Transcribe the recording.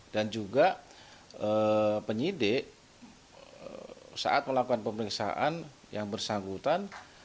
dan juga penyidik saat melakukan pemeriksaan yang bersangkutan